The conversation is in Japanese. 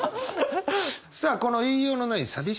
さあこの言いようのない寂しさ